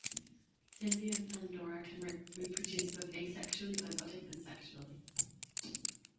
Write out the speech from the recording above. "Symbion pandora" can reproduce both asexually by budding and sexually.